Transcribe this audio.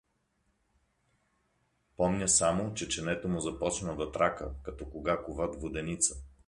Помня само, че ченето му започна да трака, като кога коват воденица.